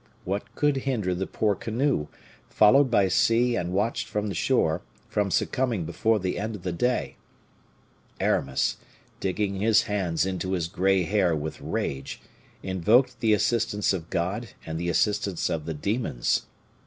What could hinder the poor canoe, followed by sea and watched from the shore, from succumbing before the end of the day? Aramis, digging his hands into his gray hair with rage, invoked the assistance of God and the assistance of the demons.